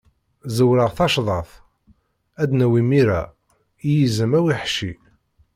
Zzewreɣ tacḍaṭ, ad d-nawi mira, i yizem aweḥci.